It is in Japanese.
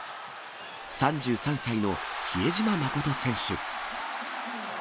３３歳の比江島慎選手。